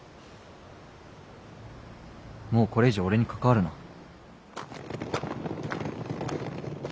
もうこれ以上俺に関わるな。